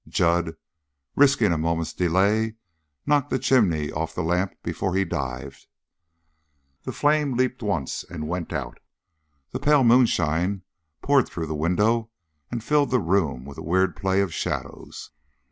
Jud, risking a moment's delay, knocked the chimney off the lamp before he dived. The flame leaped once and went out, but the pale moonshine poured through the window and filled the room with a weird play of shadows.